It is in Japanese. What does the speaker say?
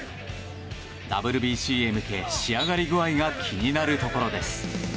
ＷＢＣへ向け、仕上がり具合が気になるところです。